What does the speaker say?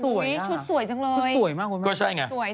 อุ๊ยชุดสวยจังเลยสวยจัง